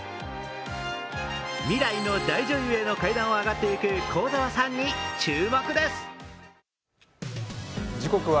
未来の大女優への階段を上っていく幸澤さんに注目です。